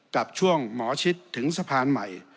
กับช่วงหมอชิดถึงสะพานใหม่